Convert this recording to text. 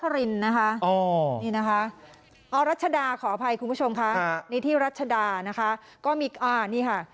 นี่นะคะอรัชดาขออภัยคุณผู้ชมค่ะนี่ที่รัชดานะคะก็มีอ่านี่ค่ะ